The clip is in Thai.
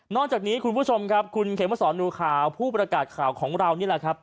จากนี้คุณผู้ชมครับคุณเขมสอนหนูขาวผู้ประกาศข่าวของเรานี่แหละครับ